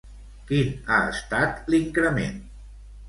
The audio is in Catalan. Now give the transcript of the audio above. Quin ha estat l'increment?